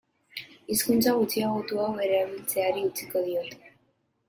Hizkuntza gutxiagotu hau erabiltzeari utziko diot.